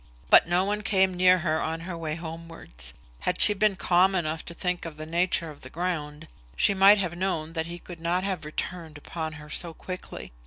But no one came near her on her way homewards. Had she been calm enough to think of the nature of the ground, she might have known that he could not have returned upon her so quickly.